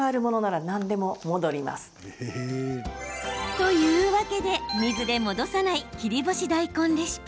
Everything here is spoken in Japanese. というわけで水で戻さない切り干し大根レシピ。